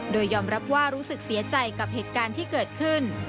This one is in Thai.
โดยยอมรับว่ารู้สึกเสียใจกับเหตุการณ์ที่เกิดขึ้น